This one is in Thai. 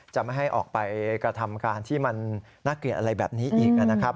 จะไม่ให้ออกไปกระทำการที่มันน่าเกลียดอะไรแบบนี้อีกนะครับ